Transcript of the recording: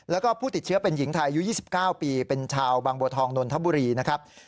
แล้วก็ผู้ติดเชื้อเป็นหญิงไทยอายุ๒๙ปีเป็นชาวบางบัวทองนนทบุรีนะครับ